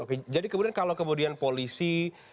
oke jadi kemudian kalau kemudian polisi